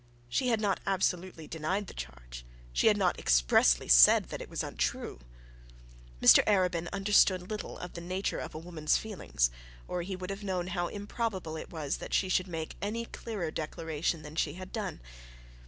She had not absolutely denied the charge; she had not expressly said that it was untrue. Mr Arabin understood little of the nature of a woman's feelings, or he would have known how improbable it was that she should make any clearer declarations than she had done.